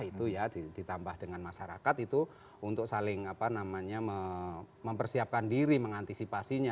itu ya ditambah dengan masyarakat itu untuk saling mempersiapkan diri mengantisipasinya